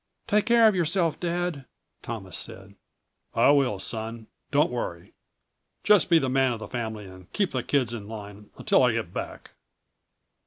"Take care of yourself, Dad," Thomas said. "I will, son. Don't worry. Just be the man of the family and keep the kids in line until I get back."